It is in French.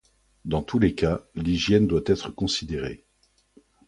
Dans tous les cas, l'hygiène doit être considérée.